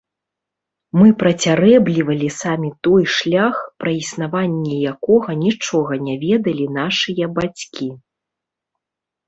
Мы працярэблівалі самі той шлях, пра існаванне якога нічога не ведалі нашыя бацькі.